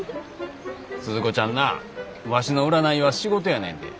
鈴子ちゃんなワシの占いは仕事やねんで。